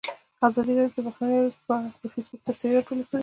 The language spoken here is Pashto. ازادي راډیو د بهرنۍ اړیکې په اړه د فیسبوک تبصرې راټولې کړي.